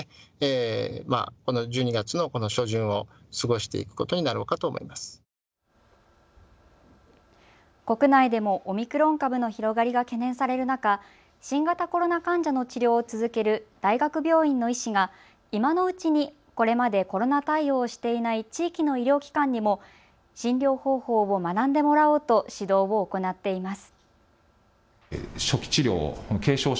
また、今、私たちができる対策については。国内でもオミクロン株の広がりが懸念される中、新型コロナ患者の治療を続ける大学病院の医師が今のうちにこれまでコロナ対応をしていない地域の医療機関にも診療方法を学んでもらおうと指導を行っています。